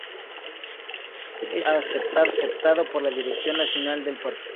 Éste es aceptado por la Dirección Nacional del partido.